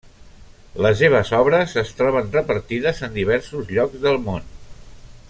Les seves obres es troben repartides en diversos llocs del món.